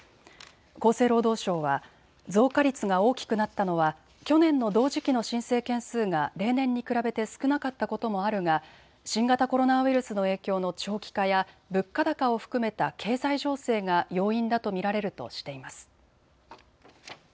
厚生労働省は増加率が大きくなったのは去年の同時期の申請件数が例年に比べて少なかったこともあるが新型コロナウイルスの影響の長期化や物価高を含めた経済情勢が要因だと見られるとしています。